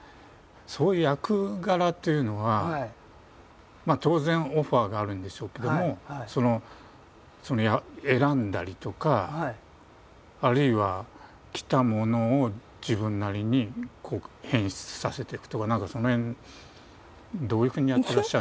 そういう役柄っていうのは当然オファーがあるんでしょうけども選んだりとかあるいは来たものを自分なりに変質させていくとか何かその辺どういうふうにやってらっしゃるんですかね？